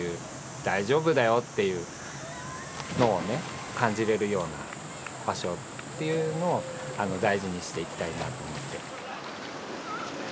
「大丈夫だよ」っていうのをね感じれるような場所っていうのを大事にしていきたいなと思って。